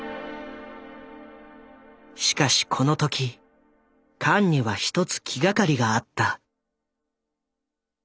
しかしこの時カンには１つ気がかりがあった。